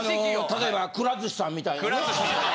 例えばくら寿司さんみたいなね。